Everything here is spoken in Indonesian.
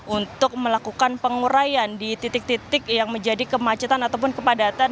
untuk melakukan pengurayan di titik titik yang menjadi kemacetan ataupun kepadatan